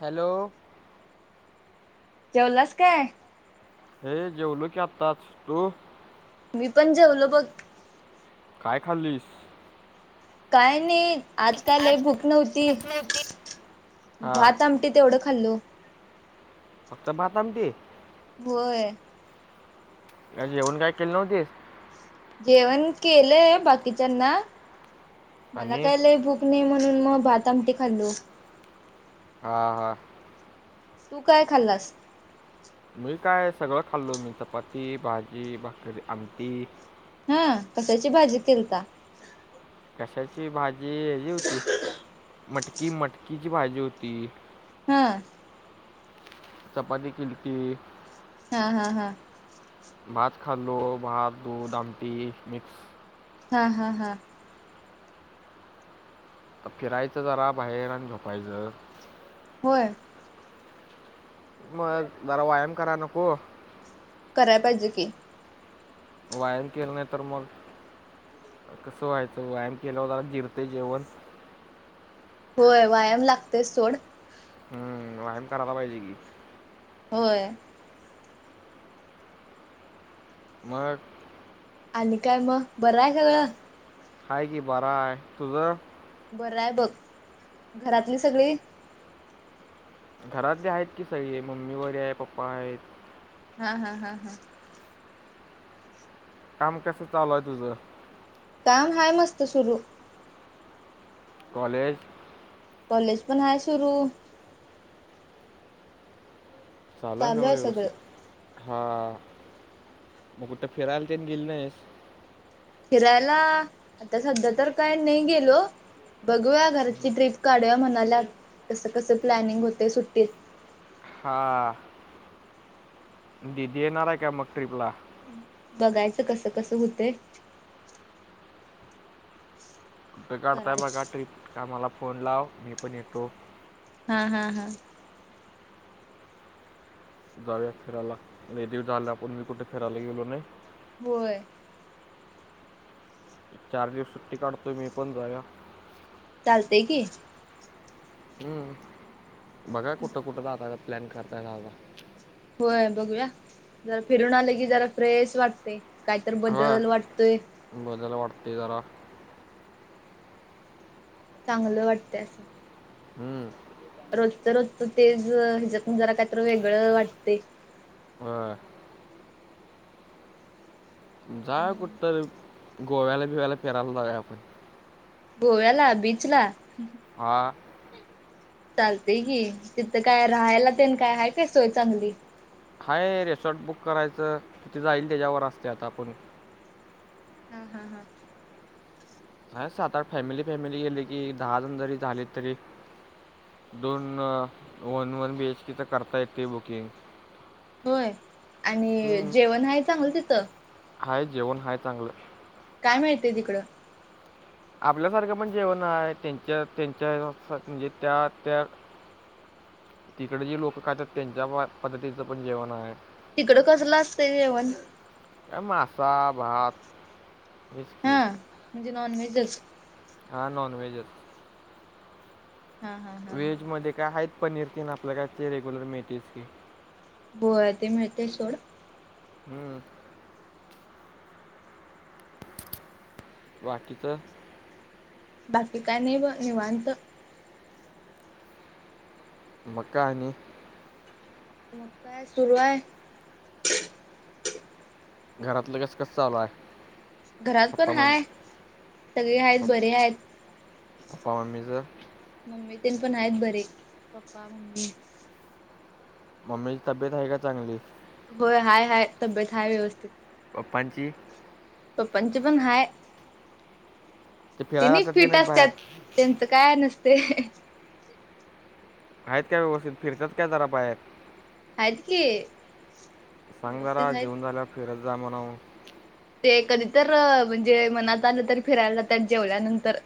Hello. जेवलास काय? हे जेवलो की आताच,, तू? मी पण जेवलो बग. काय खाल्लीस? काय नाही,, आजकाय लय आज भूक नव्हती,, भूक नव्हती हा भात आमटी तेवढं खाल्लो. फक्त भातआमटी होय. काय जेवण काय केलं नव्हतीस? जेवण केलंय बाकीच्यांना,, मला आणि काय लय भूक नाही म्हणून मग भातआमटी खाल्लो. हा हा. तू काय खाल्लास? मी काय, सगळं खाल्लो मी,, चपाती भाजी भाक आमटी. हं,, कशाची भाजी केलता? कशाची भाजी,,, ह जी हूती, मटकी मटकीची भाजी हूती हं. चपाती किलती. हा हा हा. भात खाल्लो,, भात दूध आमटी मिक्स. हा हा हा. फिरायचं जरा भायर, आणि झोपायचं. होय. मग, जरा वायाम कराय नको. कराय पाहिजे की. व्यायाम केला नाही तर मग,, कसं व्हायचं, व्यायाम केल्यावर जरा जिरतय जेवण. होय, व्यायाम लागतयस सोड. हम्म, वायम करायला पाहिजे कि. होय. मग. आणि काय मग,, बरं आय सगळं? हाय की बराय,, तुझं? बरं आय बघ,, घरातली सगळी घरातली हैत की सगळी, मम्मी बरी हाय पप्पा हैत. हा हा हा हा. कम कस चालू हाय तुझं काम हाय मस्त सुरू. कॉलेज कॉलेज पण हाय सुरू चालू हाय नव्ह आहे सगळं व्यवस्थित हा म कुठं फिरायला तेन गेली नाहीस. फिरायला आता सध्या तर काय नाही गेलो. बघूया घरची ट्रिप काढूया म्हणाल्या. कसं कसं प्लॅनिंग होतय सुट्टीत. हा दिदी येणार हाय काय मग ट्रीपला? बघायचं कस कसं हुतय. कुठ काढताय बघा करायचं ट्रिप काय मला फोन लाव मी पण येतो. हा हा हा जाऊया फिरायला लय दिवस झालय आपण बी कुठ फिरायला गेलो नाही. होय. चार दिवस सुट्टी काढतो मी पण जाऊया. चालतेय की हम बघा कुठं कुठं दादा काय प्लॅन करता हाय दादा होय बघूया जरा फिरून आल की जरा फ्रेश वाटतय काहीतर बदल वाटतोय. म जरा बदल वाटतय जरा चांगलं वाटतय असं हम रोजच रोजच तेज हेच्यातून जरा कायतर वेगळं वाटतय. व्हय जाऊया आणि कुठतर गोव्याला बिव्याला फिरायला जाऊया आपण गोव्याला बीचला? हा चालतय की तिथं काय राहायला तेन काय हाय काय सोय चांगली. हाय रेसॉर्ट बुक करायचं तिथ जाईल त्याच्यावर असतय आता आपुन हा हा हा हाय सात आठ फॅमिली फॅमिली गेली की दहा जण जरी झालीत तरी दोन one one B H K च करता येतेय बुकिंग. होय आणि जेवण हाय चांगलं तिथं हाय जेवण हाय चांगलं. काय मिळतेय तिकडं? आपल्या सारखं पण जेवण हाय त्यांच्या त्यांच्या सारखं म्हणजे त्या त्या तिकड जे लोकं खात्यात त्यांच्या पद्धतीचं पण जेवण हाय. तिकडं कसलं असतंय जेवण? काय मासा, भात हेच की ह म्हणजे नॉनव्हेजच हा नाॉनवेहेजच. हा हा हा हा. व्हेज मध्ये काय आहेत पनीर तेन आपल काय ते रेग्युलर मिळतयच की होय ते मिळतय सोड हम्म. बाकीच बाकी काय नय ब निवांत. मंग काय आणि? मग काय सुरू ए? घरातलं कसं कसं चालू हाय? घरात पण हाय, सगळी हायेत, पप- बरी हायेत. पप्पा मम्मीचं? मम्मी तेन पण हायेत बरे, पप्पा मम्मी मम्मीची तब्येत हाये का चांगली? होय हाय हाय, तब्येत हाय व्यवस्थित. पप्पांची? पपाची पण हाय, ते फिरायला त्येनी जातात की फीट नाहीत असत्यात. बाहेर त्यांचं काय नसतंय. हायेत का व्यवस्थित? फिरतेत का जरा बाहेर? आहेत की सांग जरा, व्यवस्थित आहेत जेवन झाल्यावर फिरत जा म्हणून. ते कधी तर, म्हणजे मनात आलं तर, फिरायला जातात जेवल्यानंतर.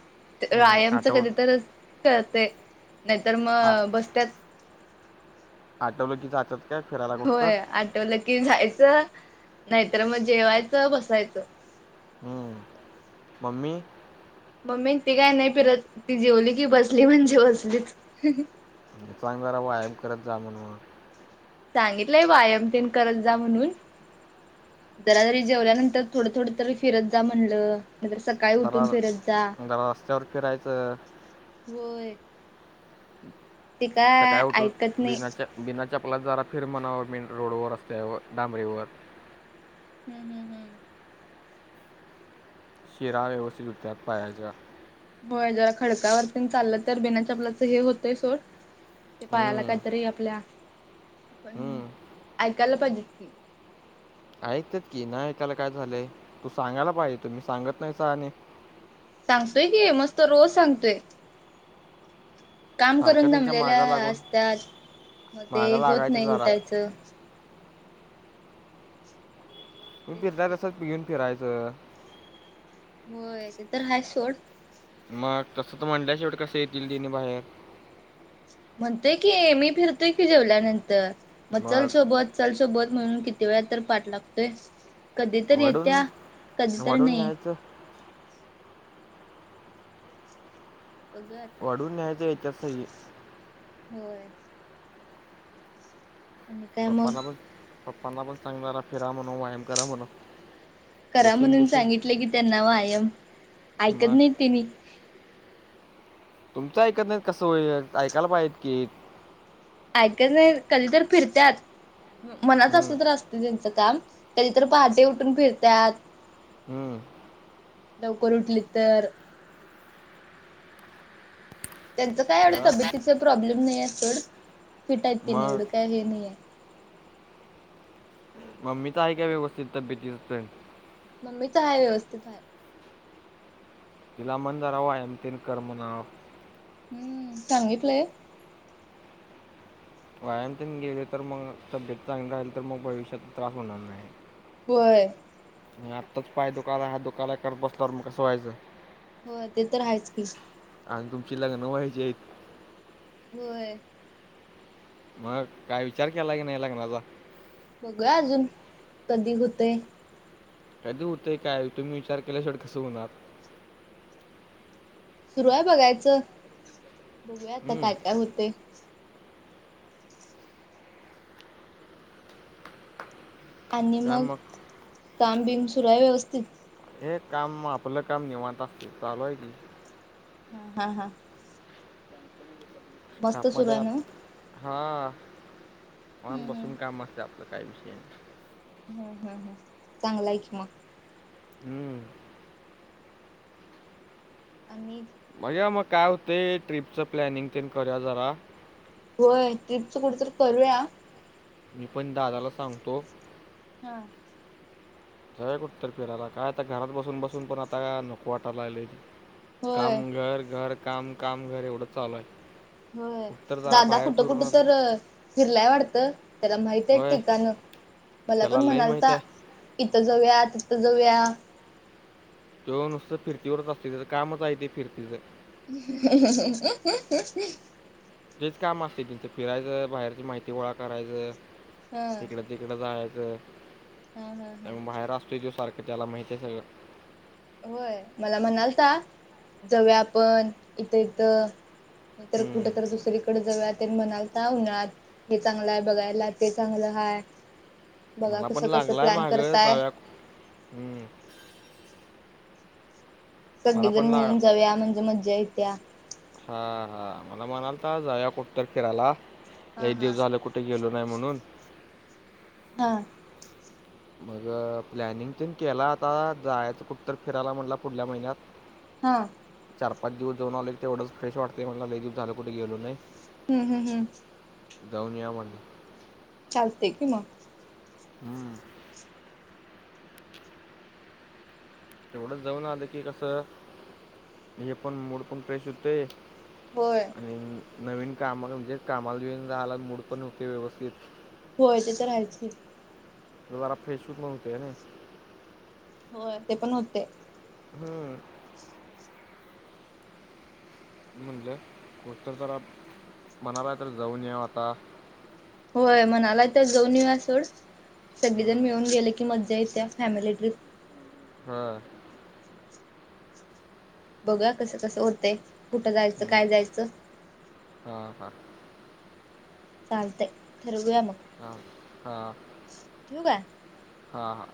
हम्म, व्यायामचं आठव कधी तरच करतय, नईतर आ- मग, बस्त्यात. आठवलं की जातात. काय फिरायला कुठं होय, आठवलं की जायचं, नायीतर मग जेवायचं बसायचं. हुं, मम्मी? मम्मी ती काय नाई फिरत, ती जेवली की बसली म्हणजे बसलीच. सांग जरा वायाम करत जा म्हणून. सांगितलंय वायाम तेन करत जा म्हणून. जरा जरी, जेवल्यानंतर थोडं थोड तरी, फिरत जा म्हणलंं, नाईतर स जरा र, जरा रस्त्यावर फिरायचं. होय. ते काय सकाळी उठून ऐकत नाही. बिना च्या- बिना चपलाच्या जरा फिर म्हणावं, मीन रोडवर, रस्त्यावर, डांबरीवर. हू हू हू. शिरा व्यवस्थित हुत्यात पायाच्या. होय, जरा खडकावर तेन चाललं तर बीना चपलाचं, हे होतंय सोड- ते पायाला हम्म, कायतरी आपल्या, पण हम्म. ऐकायला पायजेत की ऐकतेत की, नाई ऐकायला काय झालंय? तू सांगायला पाहिजे, तुमी सांगत नाहीसा आणि- सांगतोय की, मस्त रोज सांगतोय. काम करून सारखं त्यांच्या दमलेल्या मागा लागून असत्यात, मग ते मागा होत लागायचं नाई जरा उठायचं. तू तेच बी की. जरासक घेऊन फिरायचं. होय, ते तर हायेच सोड. मग तसं तर म्हणल्या, शेवटी कसं येतील तिनी बाहेर. म्हणतय की, मी फिरतोय की जेवल्यानंतर, मग चल सोबत- चल सोबत म्हणून, किती वेळा तर पाठ लागतोय. कधी तर वडून येत्या, कधी तर वडून नई. न्यायचं बघू आता. वाढून न्यायचं, इथं सही ए. होय. आणि काय मग पप्पांना म्हण, पप्पांना पण सांग जरा, फिरा म्हणून, व्यायाम करा म्हणू- करा म्हणून सांगितलं की त्यांना वायाम, ऐकत मग नई त्येनी. तुमचं ऐकत नाई कसं होईल, ऐकायला पाहीजेत की. ऐकत नाईत, कधी तर फिरत्यात, मनात हम्म, असलं तर असं त्यांचं काम कधीतर पहाटे उठून फिरत्यात. हं.. लवकर उठलीत तर. त्यांचं काय एवढं हा? तब्येतीच प्रॉब्लेम नाही हाय सोड फिट हाईत तेनी मग एवढं काय हे नाहीेये. मम्मीच हाय काय व्यवस्थित तब्येतच तेन?? मम्मीच हाय व्यवस्थित हाय. तिला म्हण जरा व्यायाम तेन कर म्हणाव. हम्म सांगितलंय. व्यायाम तेन गेले तर मग तब्येत चांगली राहिल तर मग भविष्यात त्रास होणार नाही. होय. आणि आत्ताच पाय दुकालाय, हात दुकालाय करत बसल्यावर मग कसं व्हायचं?? होय ते तर हायच की. आणि तुमची लग्न व्हायची हाईत. होय.. मग काय विचार केला काय नाही लग्नाचा?? बघूया अजून कधी होतयं. कधी हुतंय काय तुम्ही विचार केल्या शेवट कसं होणार?? सुरू हाय बघायचं बघूया आता हम्म. काय काय हुतंय. आणि मग काम बिम सुरूय व्यवस्थित?? हे काम आपलं काम निवांत असतंय चालू हाय की. हा हा हा. [unintelligible] मस्त आप सुरू आहे नव्ह हां निवांत हम्म बसून काम असतयं आपल काय विषय नाही. हम्म हम् हम् चांगलयं कि मग. हम्म. आणि?? बघूया मग काय हुतंय ट्रीपचं प्लॅनिंग तेन करूया जरा. होय ट्रिपच कुठं तर करूया. मी पण दादाला सांगतो. हा. जाऊया कुठं तर फिरायला काय आता घरात बसून बसून पण आता नको वाटाय लागलंय. होय काम घर, घर काम, काम घर एवढंच चालू हाय. होय दादा कुठं कुठं तर फिरलाय वाटतं त्याला माहित हाईत होय, ठिकाण मला त्याला पण लय माहीत म्हणालता आहे. इथं जाऊया तिथं जाऊया. त्यो नुसतं फिरतीवरच असतोय तेच कामच हाय ते फिरतीचं. हा. तेच काम असतय तेंच फिरायचं बाहेरची माहिती गोळा करायचं. हा हिकडं तिक कड जायचं हा हा हा त्यामुळ बाहेर असतोय त्यो सारखं त्याला माहित हाय सगळं. होय मला म्हणालता जाऊया आपण इथं इथं. नाहीतर हं. कुठं दुसरीकडं जाऊया म्हणालता उन्हाळ्यात हे चांगलं हाय बघायला ते चांगलं हाय. बघा मला पण कसं कसं लागलाय प्लॅन मागं करताय. जाऊया हम्म. मला सगळीजण पण लाग मिळून जाऊया म्हणजे मज्जा येत्या. हा हा मला म्हणालता जाऊया कुठं तर फिरायला हा लई हा. दिवस झालं कु ठं गेलो नाही म्हणून. हा. मग प्लॅनिंग तेन केला आता जायचं कुठ तर फिरायला म्हणटलं पुढल्या महिन्यात. हां. चार-पाच दिवस जाऊन आले तर तेवढंच फ्रेश वाटतय म्हणला लय दिवस झालं कुठं गेलो नाही. हम्म हम्म हम्म. जाऊन या म्हणलं. चालते कि मग. हम्म. तेवढंच जाऊन आलोय की कसं हे पण मूड पण फ्रेश होते. होय. नवीन नवीन कामाला म्हणजे कामाला [unintelligible] मूड पण होते व्यवस्थित. होय ते तर हायच की. तो जरा फ्रेश [unintelligible] म्हणतोय ना. होय ते पण होते. हम्म. म्हणलं [unintelligible] जरा आप म्हणायला तर जाऊन येऊ आता. होय म्हणायला तर जाऊन येऊ या सोड सगळीजण हं मिळून गेले की मज्जा येत्या फॅमिली ट्रिप. हा. बघू या कसं कसं होतय कुठं जायचं काय जायचं? हा हा. चालतय ठरवूया मग. हा हा. ठेवू काय हां हां.